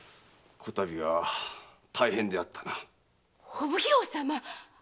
お奉行様